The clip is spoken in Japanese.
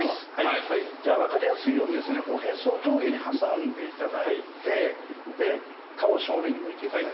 じゃあ分かりやすいようにおへそを上下に挟んで頂いて顔を正面に向いて頂いて。